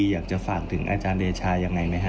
อยากจะฝากถึงอาจารย์เดชายังไงไหมฮะ